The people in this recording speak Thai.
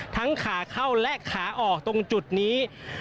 ขาเข้าและขาออกตรงจุดนี้